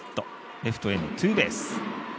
レフトへのツーベース。